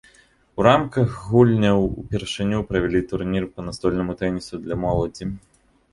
У рамках гульняў ўпершыню правялі турнір па настольнаму тэнісу для моладзі.